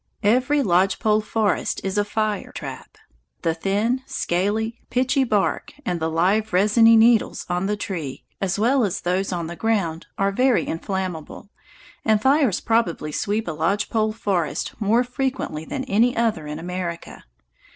Every lodge pole forest is a fire trap. The thin, scaly, pitchy bark and the live resiny needles on the tree, as well as those on the ground, are very inflammable, and fires probably sweep a lodge pole forest more frequently than any other in America.